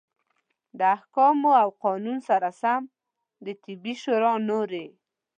د احکامو او قانون سره سم د طبي شورا نورې